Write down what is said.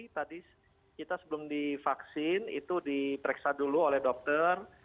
tadi kita sebelum divaksin itu diperiksa dulu oleh dokter